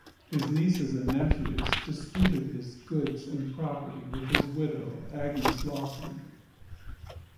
His nieces and nephews disputed his goods and property with his widow Agnes Lawson.